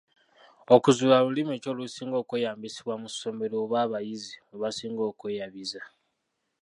Okuzuula lulimi ki olusinga okweyambisibwa mu ssomero oba abayizi mwe basinga okweyabiza.